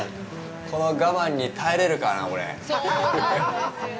この我慢に耐えれるかな、俺。